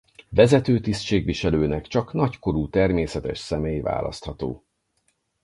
Vezető tisztségviselőnek csak nagykorú természetes személy választható.